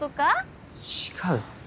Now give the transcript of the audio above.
違うって。